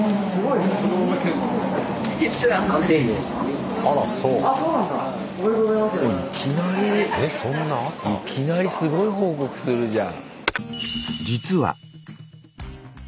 いきなりすごい報告するじゃん。